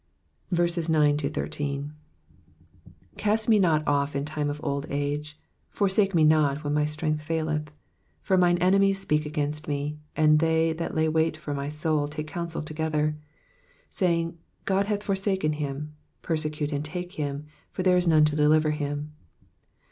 9 Cast me not off in the time of old age ; forsake me not when my strength faileth. 10 For mine enemies speak against me ; and they that lay wait for my soul take counsel together, 1 1 Saying, God hath forsaken him : persecute and take him ; •for there is none to deliver him.